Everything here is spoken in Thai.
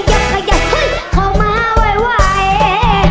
ขยับแฮะขยับเฮ้ยขยับขยับขยับเฮ้ยเข้ามาไหวไหว